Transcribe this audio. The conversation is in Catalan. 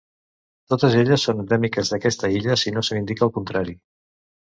Totes elles són endèmiques d'aquesta illa si no se n'indica el contrari.